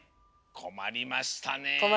こまりました！